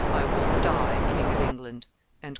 I will die King of England."